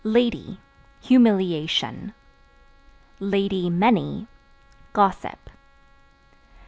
Lady Humiliation; (many) gossip.